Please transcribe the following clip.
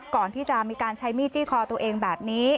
ก่อนที่จะมีการใช้มีดจี้คอตัวเองแบบนี้